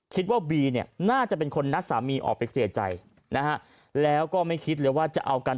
คิดว่าบีเนี่ยน่าจะเป็นคนนัดสามีออกไปเคลียร์ใจนะฮะแล้วก็ไม่คิดเลยว่าจะเอากัน